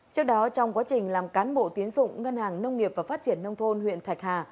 trước đó trong quá trình làm cán bộ tiến dụng ngân hàng nông nghiệp và phát triển nông thôn huyện thạch hà